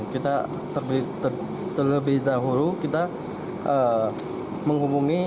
kita terlebih dahulu kita menghubungi